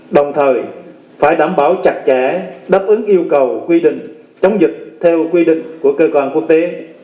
đồng thời phải đảm bảo chặt chẽ đáp ứng yêu cầu quy định chống dịch theo quy định của cơ quan quốc tế